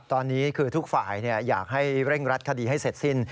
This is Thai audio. ตอนนี้คือทุกฝ่ายอยากให้เร่งรัดคดีให้เสร็จสิ้น